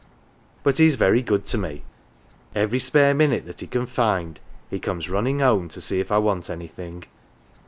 But he's very good to me. Every spare minute that he can find he comes runnin' home to see if I want anything."